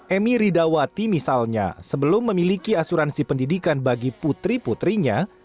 emi ridawati misalnya sebelum memiliki asuransi pendidikan bagi putri putrinya